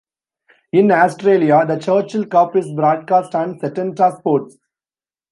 In Australia the Churchill Cup is broadcast on Setanta Sports.